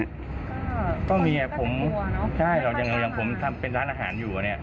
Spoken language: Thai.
ก็มีผมอย่างผมเป็นร้านอาหารอยู่เนี่ย